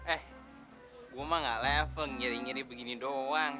eh gue mah gak level ngiri ngiri begini doang